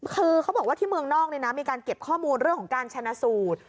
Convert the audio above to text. คือเขาบอกว่าที่เมืองนอกมีการเก็บข้อมูลเรื่องของการชนะสูตร